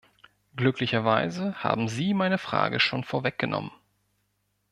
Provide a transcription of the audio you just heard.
Glücklicherweise haben Sie meine Frage schon vorweggenommen.